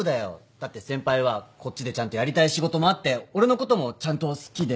だって先輩はこっちでちゃんとやりたい仕事もあって俺のこともちゃんと好きで。